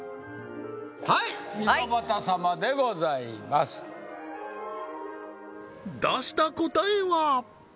はい溝端様でございます出した答えは？